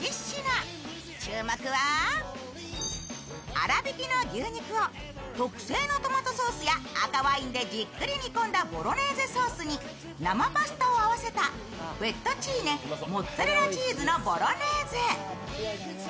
粗びきの牛肉を特製のトマトソースや赤ワインでじっくり煮込んだボロネーゼソースに生パスタを合わせたフェットチーネ・モッツァレラチーズのボロネーゼ。